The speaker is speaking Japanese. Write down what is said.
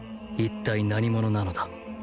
一体何者なのだ？